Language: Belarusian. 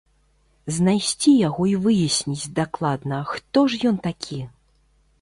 Знайсці яго і выясніць дакладна, хто ж ён такі?!